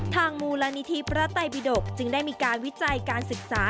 มูลนิธิพระไตบิดกจึงได้มีการวิจัยการศึกษา